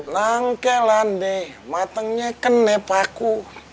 langke lande matengnya kene paku